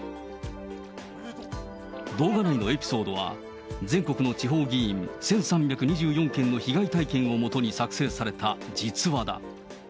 動画でのエピソードは全国の地方議員１３２４件の被害体験をもとに作成された実話だ。